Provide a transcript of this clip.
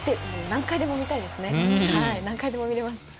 何回でも見れます。